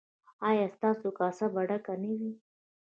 ایا ستاسو کاسه به ډکه نه وي؟